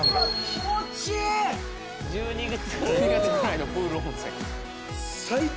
気持ちいい１２月ぐらい１２月ぐらいのプール温泉